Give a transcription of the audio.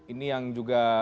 ini yang juga